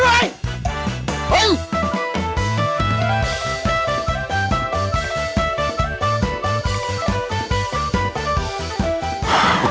เฮ้ยเฮ้ยเฮ้ยเฮ้ย